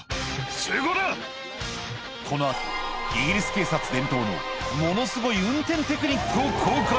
この後イギリス警察伝統のものすごい運転テクニックを公開